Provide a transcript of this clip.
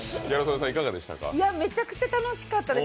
めちゃくちゃ楽しかったです。